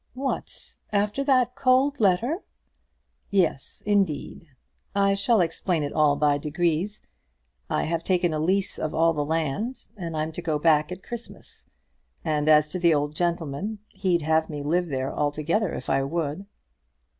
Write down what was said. "What; after that cold letter?" "Yes, indeed. I shall explain it all by degrees. I have taken a lease of all the land, and I'm to go back at Christmas; and as to the old gentleman, he'd have me live there altogether if I would."